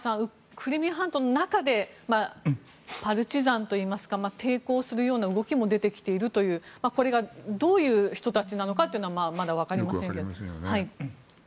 クリミア半島の中でパルチザンといいますか抵抗するような動きも出てきているというこれがどういう人たちなのかというのはよくわかりませんよね。